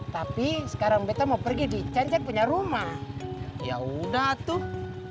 tapi sekarang bete mau pergi di canceng punya rumah ya udah tuh